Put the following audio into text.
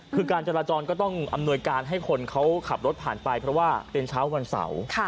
คือการจราจรก็ต้องอำนวยการให้คนเขาขับรถผ่านไปเพราะว่าเป็นเช้าวันเสาร์